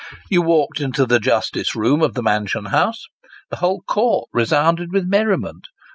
You walked into the justice room of the Mansion House ; the whole court resounded with merriment.